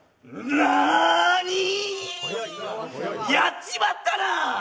やっちまったなー。